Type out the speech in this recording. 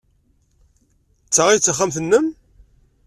D ta ay d taxxamt-nnem?